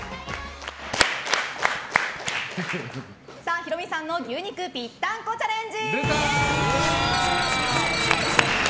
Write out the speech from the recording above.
ヒロミさんの牛肉ぴったんこチャレンジ。